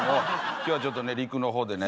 今日はちょっと陸の方でね。